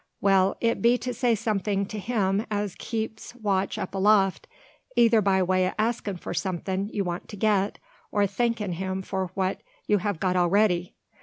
"Well, it be to say somethin' to Him as keeps watch up aloft, either by way o' askin' for somethin' you want to get, or thankin' Him for what you ha' got arready.